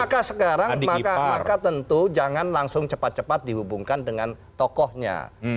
maka sekarang maka tentu jangan langsung cepat cepat dihubungkan dengan tokohnya